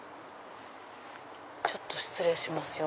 ちょっと失礼しますよ。